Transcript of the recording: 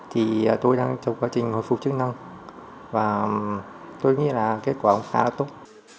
thì tôi đang trong quá trình hồi phục chức năng và tôi nghĩ là kết quả cũng khá là tốt